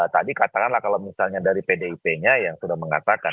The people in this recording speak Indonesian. tadi katakanlah kalau misalnya dari pdip nya yang sudah mengatakan